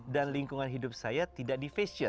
dan lingkungan hidup saya tidak di fashion